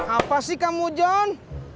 apa sih kamu john